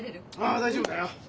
ああ大丈夫だよ。